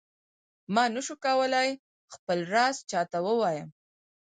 ما نه شو کولای خپل راز چاته ووایم.